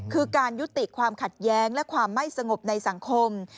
คือการยุติความขัดแย้งและความไม่สงบในสังคม